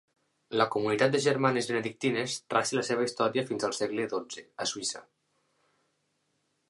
La comunitat de germanes benedictines traça la seva història fins al segle XII a Suïssa.